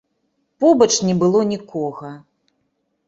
Побач не было нікога.